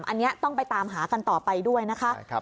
อันนี้ต้องไปตามหากันต่อไปด้วยนะคะ